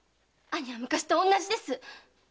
兄は昔と同じです。